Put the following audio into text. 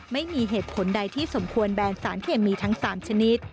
ไม่มีเหตุผลใดที่สมควรแบนสารเคมีทั้ง๓ชนิด